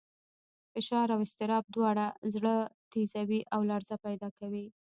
فشار او اضطراب دواړه زړه تېزوي او لړزه پیدا کوي.